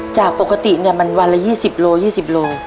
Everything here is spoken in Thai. จากปกติเนี่ยมันวันละ๒๐โล๒๐โล